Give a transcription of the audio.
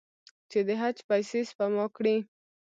چې د حج پیسې سپما کړي.